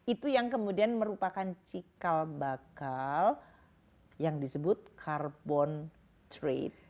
itu yang kemudian merupakan cikal bakal yang disebut carbon trade